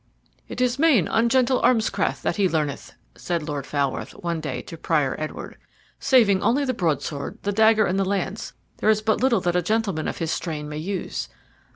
"It is main ungentle armscraft that he learneth," said Lord Falworth one day to Prior Edward. "Saving only the broadsword, the dagger, and the lance, there is but little that a gentleman of his strain may use.